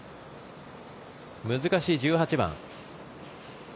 難しい１８番。